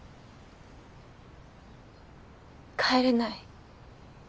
帰れない。